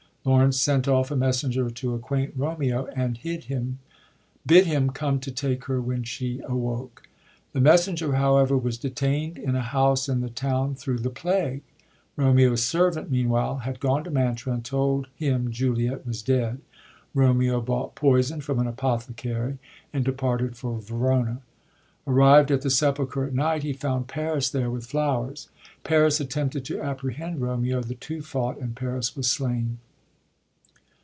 Laurence sent off a messenger to acquaint Romeo, and bid him come to take her when she awoke. The mes senger, however, was detaind in a house in the town thru the plague. Romeo's servant, meanwhile, had gone to Mantua, and told him Juliet was dead. Romeo bought poison from an apothecary, and departed for Verona. Arrived at the sepulchre at night, he found Paris there with flowers^ Paris attempted to apprehend Romeo ; the two fought, and Paris was slain.